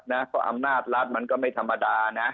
เพราะอำนาจรัฐมันก็ไม่ธรรมดานะ